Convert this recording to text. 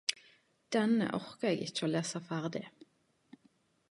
Denne orka eg ikkje lese ferdig.